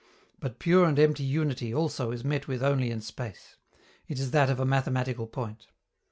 But pure and empty unity, also, is met with only in space; it is that of a mathematical point.